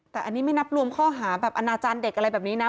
แต่อันนี้ไม่นับรวมข้อหาแบบอนาจารย์เด็กอะไรแบบนี้นะ